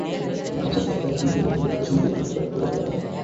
বাংলাদেশ শক্ত অবস্থানে থেকে নতুন করে ভারতের সঙ্গে কূটনৈতিক তৎপরতা চালাতে পারে।